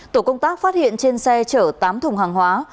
tổ công tác phát hiện trên xe chở tám thùng hàng hóa